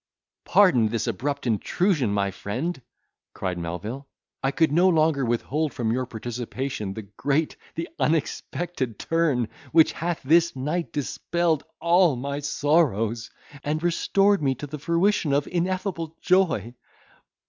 "Pardon this abrupt intrusion, my friend," cried Melvil, "I could no longer withhold from your participation, the great, the unexpected turn, which hath this night dispelled all my sorrows, and restored me to the fruition of ineffable joy.